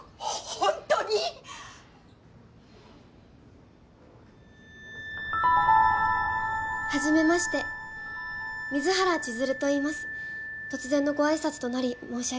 ほんとに⁉はじめまして水原千鶴といいます突然のごあいさつとなり申し訳ありません